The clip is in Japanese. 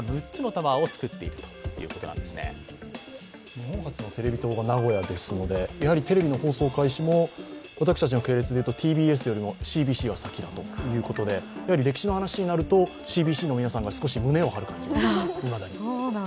日本初のテレビ塔が名古屋ですのでやはりテレビの放送開始も私たちの系列で言うとＴＢＳよりもＣＢＣが先だということで歴史の話になると、ＣＢＣの皆さんが少し胸を張る感じ、いまだに。